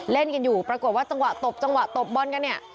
เล่นกันอยู่ปรากฏว่าจังหวะตบจังหวะตบบอลกันเนี่ย